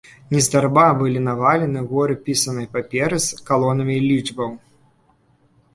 Нездарма былі навалены горы пісанай паперы з калонамі лічбаў.